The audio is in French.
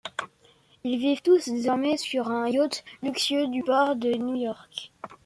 Ils vivent tous désormais sur un yacht luxueux du port de New York.